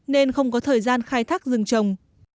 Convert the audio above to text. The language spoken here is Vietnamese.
nên không có thời gian khai thác rừng trồng